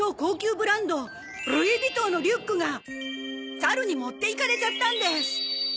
ブランドルイ尾藤のリュックが猿に持っていかれちゃったんです。